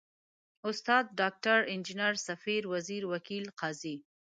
استاد، ډاکټر، انجنیر، ، سفیر، وزیر، وکیل، قاضي ...